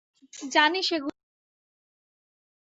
জানি সেগুলো কেমন হওয়া উচিত।